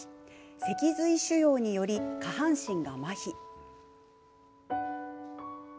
脊髄腫瘍により下半身がまひ。